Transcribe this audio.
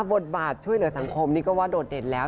บทบาทช่วยเหลือสังคมนี่ก็ว่าโดดเด่นแล้ว